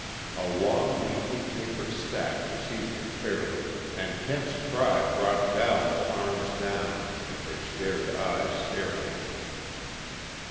A long, neatly tapered stack received it fairly, and Kent's cry brought Val's arms down, and her scared eyes staring at him.